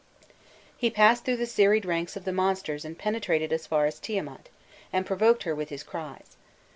He passed through the serried ranks of the monsters and penetrated as far as Tiamat, and provoked her with his cries.